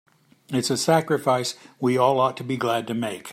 It's a sacrifice we all ought to be glad to make.